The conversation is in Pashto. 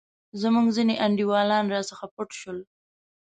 زموږ ځیني انډیوالان راڅخه پټ شول.